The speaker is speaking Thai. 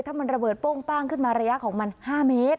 ถ้ามันระเบิดโป้งป้างขึ้นมาระยะของมัน๕เมตร